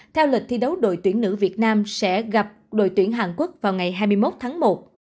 theo lịch thi đấu đội tuyển nữ việt nam sẽ gặp đội tuyển hàn quốc vào ngày hai mươi một tháng một